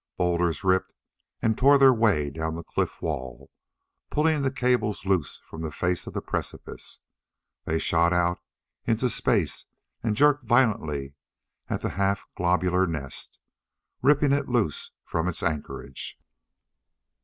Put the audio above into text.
Boulders ripped and tore their way down the cliff wall, pulling the cables loose from the face of the precipice. They shot out into space and jerked violently at the half globular nest, ripping it loose from its anchorage.